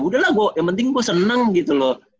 udah lah yang penting gue seneng gitu loh